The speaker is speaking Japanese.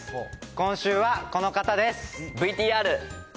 今週はこの方です。